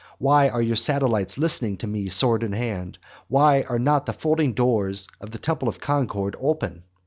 Why are your satellites listening to me sword in hand? Why are not the folding doors of the temple of Concord open?